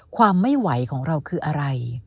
ความไม่ไหวของเราคืออะไร